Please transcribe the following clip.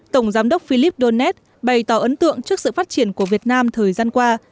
tổng giám đốc philip donet bày tỏ ấn tượng trước sự phát triển của việt nam thời gian qua